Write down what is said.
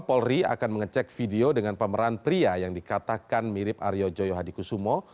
polri akan mengecek video dengan pemeran pria yang dikatakan mirip aryo joyo hadikusumo